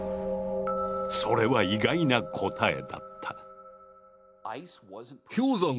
それは意外な答えだった。